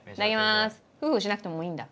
ふふしなくてもういいんだ。